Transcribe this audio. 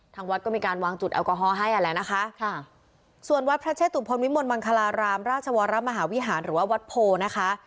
ทั้งวัดก็มีการวางจุดแอลกอฮอล์ให้อันดังแล้วนะฮะส่วนวัดพระเชษฐุปรมิวนมังคารารามราชวรรมหาวิหารหรือวัดโพนะคะ